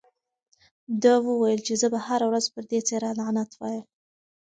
ده وویل چې زه به هره ورځ پر دې څېره لعنت وایم.